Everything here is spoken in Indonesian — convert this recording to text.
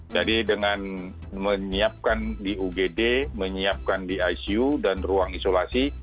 jadi dengan menyiapkan di ugd menyiapkan di icu dan ruang isolasi